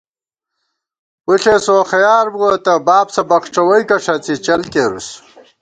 پݪېس ووخیار بُوَہ تہ بابسہ بخڄَوَئیکہ ݭڅی چل کېرُوس